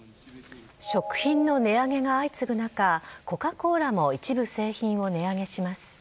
食品の値上げが相次ぐ中、コカ・コーラも一部製品を値上げします。